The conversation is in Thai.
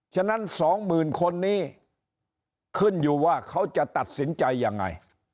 ฉะนั้น๒๐๐๐คนนี้ขึ้นอยู่ว่าเขาจะตัดสินใจยังไง